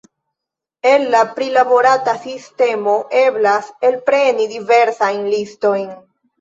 El la prilaborata sistemo eblas elpreni diversajn listojn.